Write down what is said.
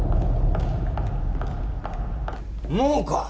もうか！？